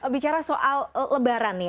bicara soal lebaran ya